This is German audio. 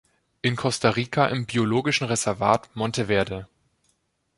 In Costa Rica im Biologischen Reservat Monteverde.